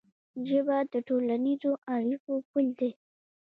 ژبه د ټولنیزو اړیکو پل دی.